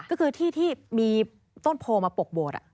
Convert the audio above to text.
ก็คือที่ที่มีต้นโพมาปกโบสถ์